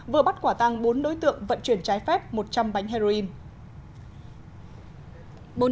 vừa bắt quả tăng bốn đối tượng vận chuyển trái phép một trăm linh bánh heroin